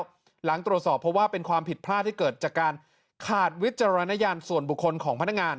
หลังตรวจสอบเพราะว่าเป็นความผิดพลาดที่เกิดจากการขาดวิจารณญาณส่วนบุคคลของพนักงาน